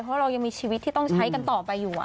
เพราะเรายังมีชีวิตที่ต้องใช้กันต่อไปอยู่